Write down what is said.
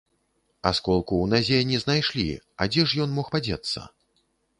Асколку ў назе не знайшлі, а дзе ж ён мог падзецца?